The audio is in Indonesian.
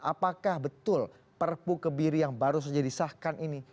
apakah betul perpu kebiri yang baru saja disahkan ini